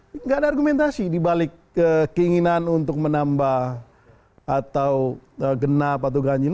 tidak ada argumentasi dibalik keinginan untuk menambah atau genap atau ganjil